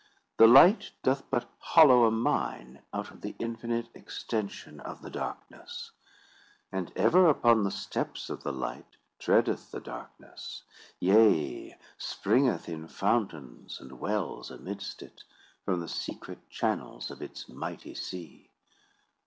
The light doth but hollow a mine out of the infinite extension of the darkness. And ever upon the steps of the light treadeth the darkness; yea, springeth in fountains and wells amidst it, from the secret channels of its mighty sea.